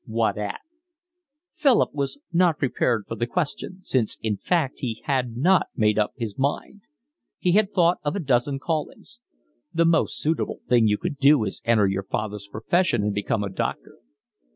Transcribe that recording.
"What at?" Philip was not prepared for the question, since in fact he had not made up his mind. He had thought of a dozen callings. "The most suitable thing you could do is to enter your father's profession and become a doctor."